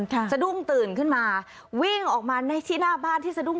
สะดุ้งตื่นขึ้นมาวิ่งออกมาในที่หน้าบ้านที่สะดุ้ง